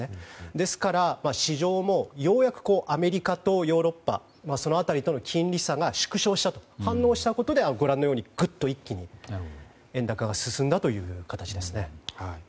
ですから、市場もようやくアメリカとヨーロッパその辺りとの金利差が縮小したと反応したことでご覧のように、グッと一気に円高が進んだという形ですね。